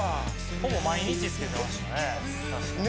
ほぼ毎日着けてましたね